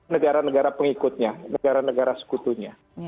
negara negara pengikutnya negara negara sekutunya